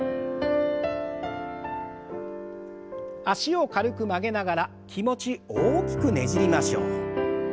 脚を軽く曲げながら気持ち大きくねじりましょう。